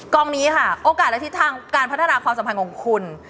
กองนี้ค่ะโอกาสและทิศทางการพัฒนาความสัมพันธ์ของคุณ